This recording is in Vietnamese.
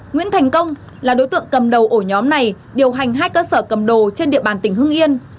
nguyễn thành công là đối tượng cầm đầu ổ nhóm này điều hành hai cơ sở cầm đồ trên địa bàn tỉnh hưng yên